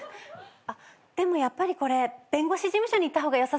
あっでもやっぱりこれ弁護士事務所に行った方がよさそうですね。